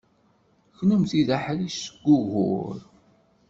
Kennemti d aḥric seg ugur.